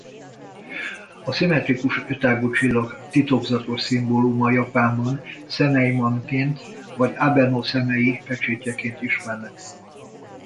A szimmetrikus ötágú csillag titokzatos szimbóluma Japánban Szeimanként vagy Abe no Szemei pecsétjeként ismernek.